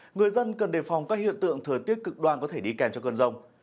người dân cần đề phòng các hiện tượng thời tiết cực đoan có thể đi kèm cho cơn rông